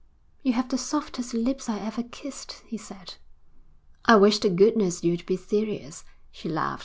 'You have the softest lips I ever kissed,' he said. 'I wish to goodness you'd be serious,' she laughed.